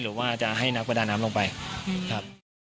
หรือว่าจะให้นักประดาน้ำลงไปครับ